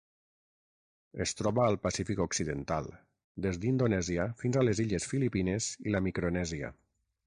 Es troba al Pacífic occidental: des d'Indonèsia fins a les illes Filipines i la Micronèsia.